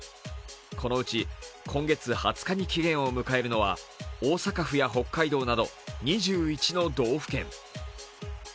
このうち、今月２０日に期限を迎えるのは大阪府や北海道など２１の道府県。